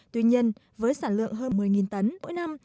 tuy nhiên với sản lượng hơn một mươi tấn mỗi năm